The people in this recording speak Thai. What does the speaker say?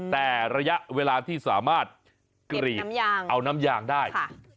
แต่ระยะเวลาที่สามารถกรีดเอาน้ำยางได้